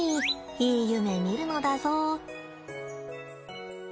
いい夢見るのだぞ。